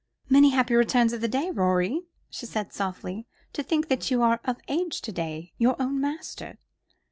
"Many happy returns of the day, Rorie," she said softly. "To think that you are of age to day. Your own master."